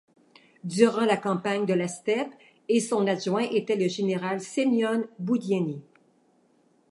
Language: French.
Durant la Campagne de la steppe et son adjoint était le général Semion Boudienny.